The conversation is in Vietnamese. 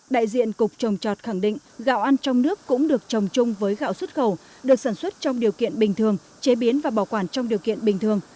đại diện cục trồng trọt khẳng định gạo ăn trong nước cũng được trồng chung với gạo xuất khẩu được sản xuất trong điều kiện bình thường chế biến và bảo quản trong điều kiện bình thường